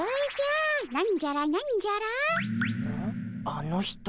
あの人。